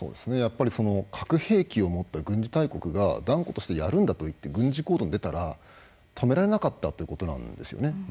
やっぱり核兵器を持った軍事大国が断固としてやるんだといって軍事行動に出たら止められなかったということなんですよね。